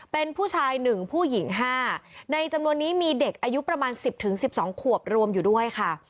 เป็นผู้ชาย๑ผู้หญิง๕ในจำนวนนี้มีเด็กอายุประมาณ๑๐๑๒ขวบรวมอยู่ด้วยค่ะ